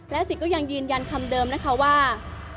และสิทธิ์ก็ยังยืนยันคำเดิมนะคะว่า